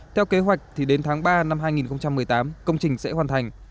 theo kế hoạch thì đến tháng ba năm hai nghìn một mươi tám công trình sẽ hoàn thành